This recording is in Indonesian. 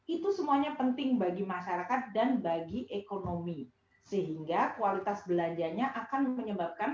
itu semuanya penting bagi masyarakat dan bagi ekonomi sehingga kualitas belanjanya akan menyebabkan